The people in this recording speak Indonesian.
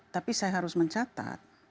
tapi saya harus mencatat